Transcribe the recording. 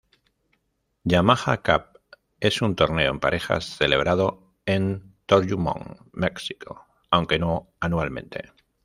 Yamaha Cup es un torneo en parejas celebrado en Toryumon Mexico, aunque no anualmente.